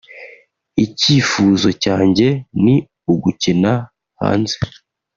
Icyifuzo cyanjye ni ugukina hanze